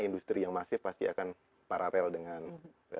industri yang masif pasti akan paralel dengan